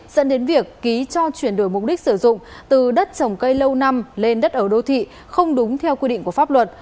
dẫn đến việc ký cho chuyển đổi mục đích sử dụng từ đất trồng cây lâu năm lên đất ở đô thị không đúng theo quy định của pháp luật